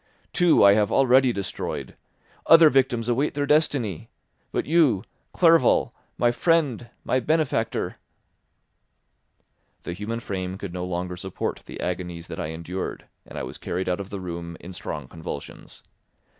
Two I have already destroyed; other victims await their destiny; but you, Clerval, my friend, my benefactor—" The human frame could no longer support the agonies that I endured, and I was carried out of the room in strong convulsions.